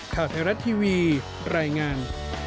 ข่าวไทยรัฐทีวีรายงาน